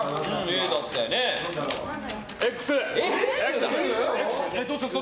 Ｘ！